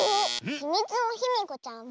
「ひみつのヒミコちゃん」は。